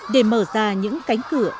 để mở ra những cánh cửa ước mơ đó